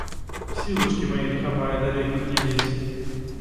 Сілачкі мае не хапае далей тут гібець.